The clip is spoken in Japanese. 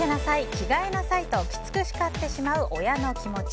着替えなさい！とキツく叱ってしまう親の気持ち。